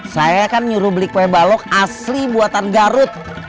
saya kan nyuruh beli kue balok asli buatan garut